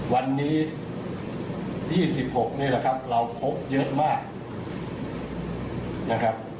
วันนี้๒๖นี่แหละครับเราพบเยอะมากนะครับ